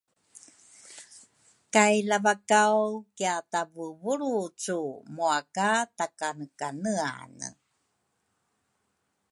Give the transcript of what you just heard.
kay Lavakaw kiatavuvulrucu mua ka takanekaneane.